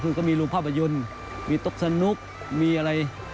คือก็มีรูปภาพยนตร์มีโต๊ะสนุกมีอะไร